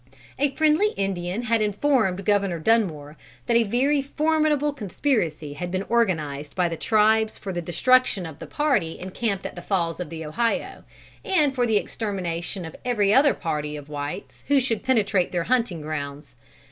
A friendly Indian had informed Governor Dunmore that a very formidable conspiracy had been organised by the tribes for the destruction of the party encamped at the Falls of the Ohio, and for the extermination of every other party of whites who should penetrate their hunting grounds.